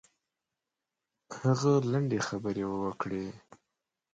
هغه لنډې خبرې وکړې.